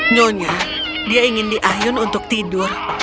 nyonya dia ingin diayun untuk tidur